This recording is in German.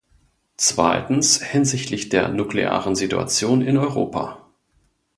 Zweitens hinsichtlich der nuklearen Situation in Europa.